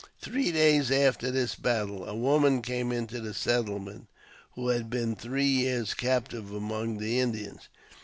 Three days after this battle, a w^oman came into the settle ment who had been three years captive among the Indians.